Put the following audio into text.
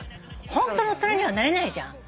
ホントの大人にはなれないじゃん。